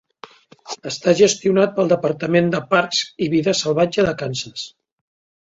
Està gestionat pel Departament de Parcs i Vida Salvatge de Kansas.